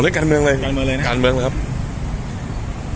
ขอเรื่องการเมืองเลยนะ